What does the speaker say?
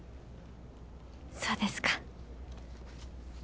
そうですか。